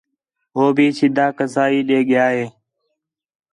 ہو بھی سِدھا کسائی ݙے ڳِیا ہِے